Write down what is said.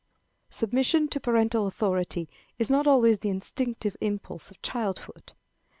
Submission to parental authority is not always the instinctive impulse of childhood.